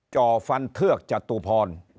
จ่อฟันเทือกจตุพร